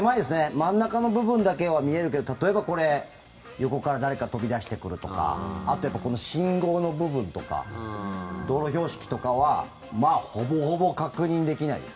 真ん中の部分だけは見えるけど例えばこれ、横から誰か飛び出してくるとかあと、信号の部分とか道路標識とかはほぼほぼ確認できないです。